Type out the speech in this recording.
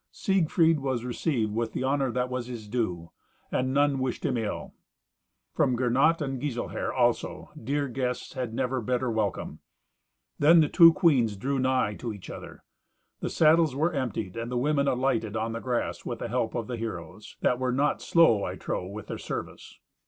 Siegfried was received with the honour that was his due; and none wished him ill. From Gernot and Giselher, also, dear guests had never better welcome. Then the two queens drew nigh to each other. The saddles were emptied, and the women alighted on the grass with the help of the heroes, that were not slow, I trow, with their service!